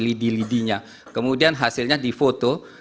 lidi lidinya kemudian hasilnya di foto